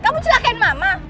kamu celakain mama